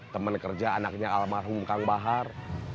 teman kerja anaknya almarhum kang bahar